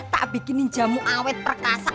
tak bikinin jamu awet perkasa